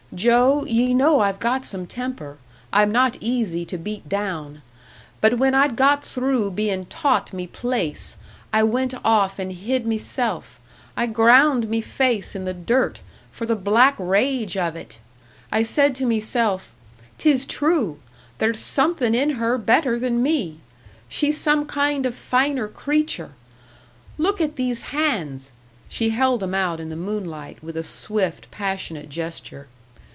Joe, ye know I've got some temper I'm not easy to beat down; but when I'd got through bein' taught me place, I went off and hid meself, I ground me face in the dirt, for the black rage of it! I said to meself, 'Tis true! There's somethin' in her better than me! She's some kind of finer creature. Look at these hands!" She held them out in the moonlight, with a swift, passionate gesture.